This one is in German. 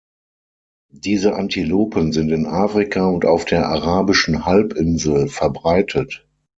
Diese Antilopen sind in Afrika und auf der arabischen Halbinsel verbreitet.